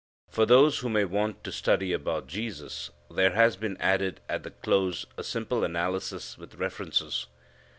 For those who may want to study about Jesus there has been added at the close a simple analysis with references.